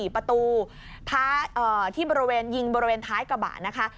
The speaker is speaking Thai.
ประตูที่บริเวณยิงบริเวณท้ายกระบะนะคะ